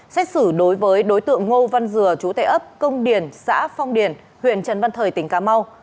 xét xử đối với đối tượng ngô văn dừa chú tây ấp công điển xã phong điển huyện trần văn thời tỉnh cà mau